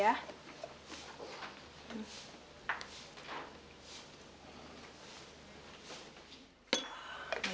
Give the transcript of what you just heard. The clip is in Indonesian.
ya makasih ya